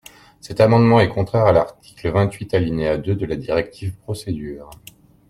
Cet amendement est contraire à l’article vingt-huit, alinéa deux de la directive « Procédure ».